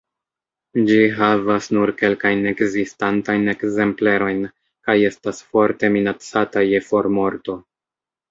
Ĝi havas nur kelkajn ekzistantajn ekzemplerojn kaj estas forte minacata je formorto.